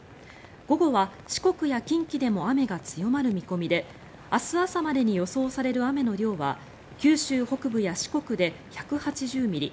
午後は四国や近畿でも雨が強まる見込みで明日朝までに予想される雨の量は九州北部や四国で１８０ミリ